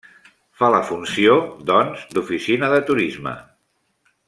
Fa la funció, doncs, d'oficina de turisme.